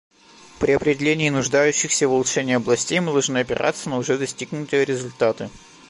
При определении нуждающихся в улучшении областей мы должны опираться на уже достигнутые результаты.